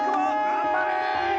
頑張れ！